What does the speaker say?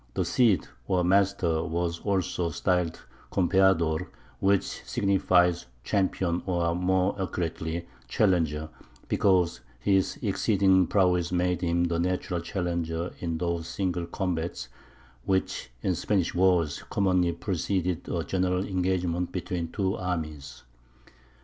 The Cid, or "master," was also styled Campeador, which signifies "champion," or, more accurately, "challenger," because his exceeding prowess made him the natural challenger in those single combats which in Spanish wars commonly preceded a general engagement between two armies.